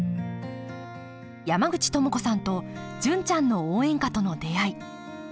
山口智子さんと「純ちゃんの応援歌」との出会い。